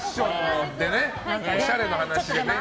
おしゃれな話でね。